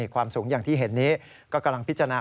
ความสูงอย่างที่เห็นนี้ก็กำลังพิจารณา